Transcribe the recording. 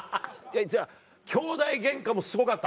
じゃあ兄弟ゲンカもすごかった？